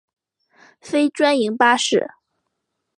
非专营巴士。